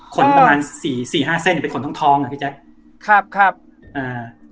ขนประมาณสี่สี่ห้าเส้นเนี้ยเป็นขนทองท้องอ่ะพี่แจ๊คคาบคาบอ่า